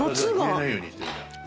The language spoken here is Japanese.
冷えないようにしてる。